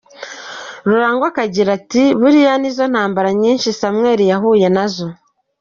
Rurangwa akagira ati: “Buriya nizo ntambara nyinshi Samuel yahuye nazo.”